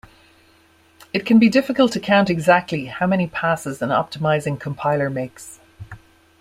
It can be difficult to count exactly how many passes an optimizing compiler makes.